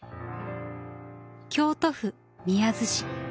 京都府宮津市。